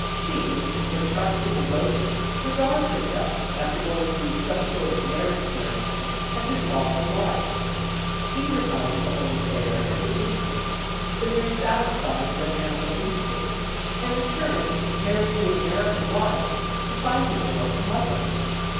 She, in her trust and devotion regards herself, after going through some sort of marriage ceremony, as his lawful wife. He regards the whole affair as an incident, the mere satisfying of an animal instinct, and returns, married to an American wife, to find the girl a mother.